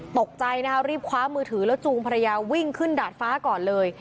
ตกใจนะคะรีบคว้ามือถือแล้วจูงภรรยาวิ่งขึ้นดาดฟ้าก่อนเลย